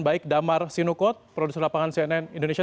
baik damar sinukot produser lapangan cnn indonesia